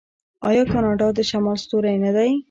آیا کاناډا د شمال ستوری نه دی؟